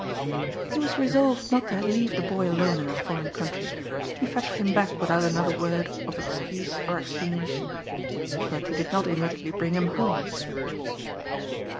He was resolved not to leave the boy alone in a foreign country. He fetched him back without another word of excuse or explanation. But he did not immediately bring him home.